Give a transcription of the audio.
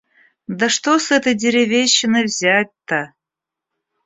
Да что с этой деревенщины взять-то?